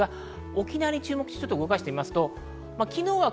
沖縄に注目して動かしていきます。